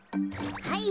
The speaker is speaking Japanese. はい。